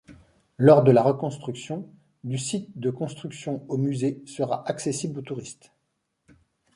Lors de la reconstruction, du site de construction au musée sera accessible aux touristes.